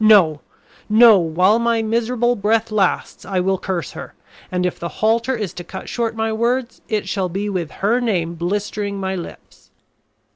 No, no; while my miserable breath lasts I will curse her, and if the halter is to cut short my words, it shall be with her name blistering my lips."